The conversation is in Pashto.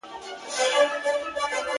ژوند لکه لمبه ده بقا نه لري!!